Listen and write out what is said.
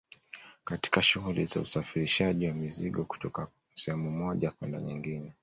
katika shughuli za usafirishaji wa mizigo kutoka sehemu moja kwenda nyingine